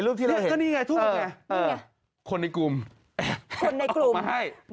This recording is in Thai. รูปที่เราเห็นนี่ก็นี่ไงทุกคนค่ะนี่ไงคุณในกลุ่มออกมาให้โอ้โฮ